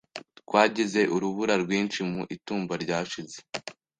Twagize urubura rwinshi mu itumba ryashize.